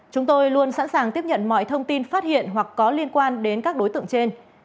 chúng tôi luôn sẵn sàng tiếp nhận mọi thông tin phát hiện hoặc có liên quan đến các đối tượng trên